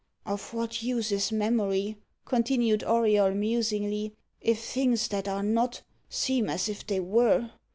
"Of what use is memory," continued Auriol musingly, "if things that are not, seem as if they were?